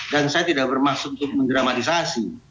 dan saya tidak bermaksud untuk mendramatisasi